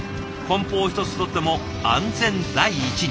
梱包一つとっても安全第一に。